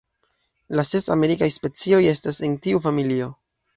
La ses amerikaj specioj estas en tiu familio.